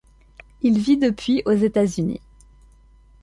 Il vit depuis aux États-Unis.